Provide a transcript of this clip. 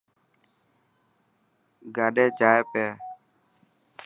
گاڏي جائي پئي.